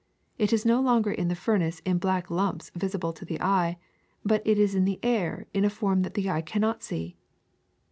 It is no longer in the furnace in black lumps visible to the eye, but it is in the air in a form that the eye cannot see.